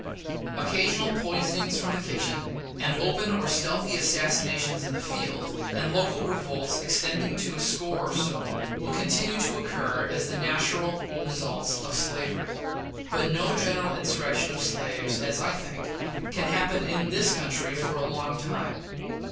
Occasional poisonings from the kitchen, and open or stealthy assassinations in the field, and local revolts, extending to a score or so, will continue to occur as the natural results of slavery; but no general insurrection of slaves, as I think, can happen in this country for a long time.